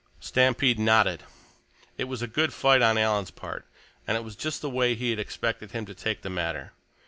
Stampede nodded. It was a good fight on Alan's part, and it was just the way he had expected him to take the matter.